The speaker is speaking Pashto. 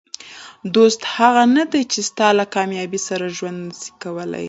دوست هغه نه دئ، چي ستا له کامیابۍ سره ژوند نسي کولای.